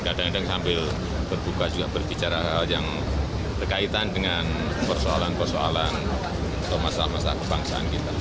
dan kadang kadang sambil berbuka juga berbicara hal hal yang berkaitan dengan persoalan persoalan atau masalah masalah kebangsaan kita